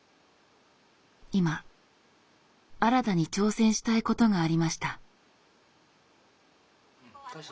今新たに挑戦したいことがありました。